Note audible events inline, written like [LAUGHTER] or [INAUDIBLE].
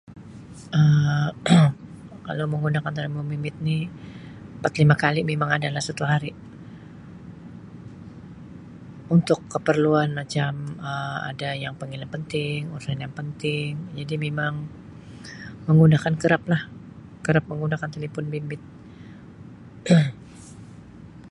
Um [COUGHS] Kalau menggunakan telefon bimbit ni empat lima kali mimang adalah satu hari untuk keperluan macam Um ada yang panggilan penting, urusan yang penting jadi mimang menggunakan kerap lah kerap menggunakan telefon bimbit. [COUGHS]